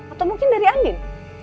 atau mungkin dari andin